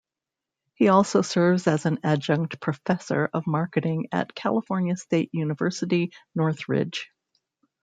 He also serves as an adjunct professor of marketing at California State University, Northridge.